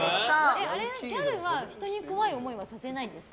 ギャルは人に怖い思いはさせないんですか？